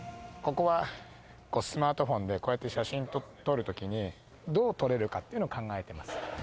ここはスマートフォンでこうやって写真撮るときに、どう撮れるかっていうのを考えてますね。